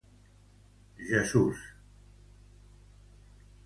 Jesús Romero.